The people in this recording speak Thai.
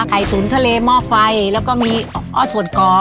ไถสุรทะเลมอกไฟแล้วก็มีอ้อสวนกรอบ